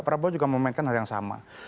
prabowo juga memainkan hal yang sama